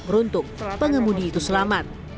runtuk pengemudi itu selamat